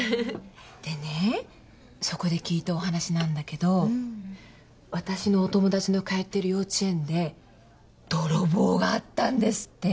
でねそこで聞いたお話なんだけどわたしのお友達の通ってる幼稚園で泥棒があったんですって。